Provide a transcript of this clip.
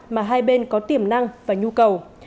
mà hai bên có tiềm năng và nhu cầu